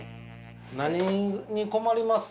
何に困ります？